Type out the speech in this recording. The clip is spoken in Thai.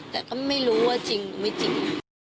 แต่ก็ไม่รู้ว่าจริงหรือไม่จริง